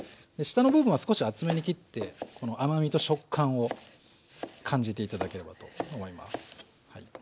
下の部分は少し厚めに切ってこの甘みと食感を感じて頂ければと思います。